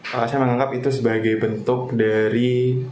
pak asya menganggap itu sebagai bentuk dari